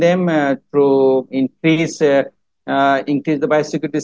dan mengajar mereka untuk meningkatkan standar biosekurity